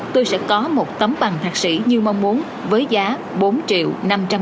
tôi sẽ có một tấm bằng thạc sĩ như mong muốn với giá bốn triệu năm trăm linh